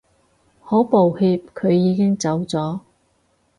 好抱歉佢已經走咗